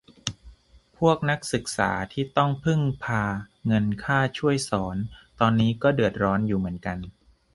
พวกนักศึกษาที่ต้องพึ่งพาเงินค่าช่วยสอนตอนนี้ก็เดือดร้อนอยู่เหมือนกัน